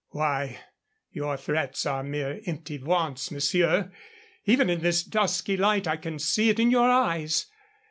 Why, your threats are mere empty vaunts, monsieur! Even in this dusky light I can see it in your eyes.